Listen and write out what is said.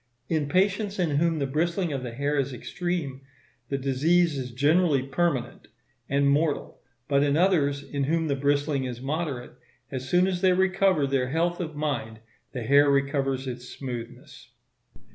In patients in whom the bristling of the hair is extreme, the disease is generally permanent and mortal; but in others, in whom the bristling is moderate, as soon as they recover their health of mind the hair recovers its smoothness.